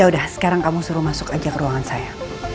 yaudah sekarang kamu suruh masuk aja ke ruangan saya